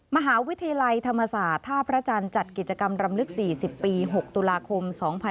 มหาวิทยาลัยธรรมศาสตร์ท่าพระจันทร์จัดกิจกรรมรำลึก๔๐ปี๖ตุลาคม๒๕๖๒